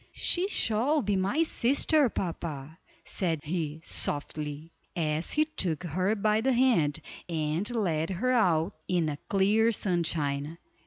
"She shall be my sister, papa," said he, softly, as he took her by the hand, and led her out in the clear sunshine.